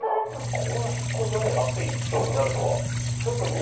こんな引越しがね熱い競技になるとは。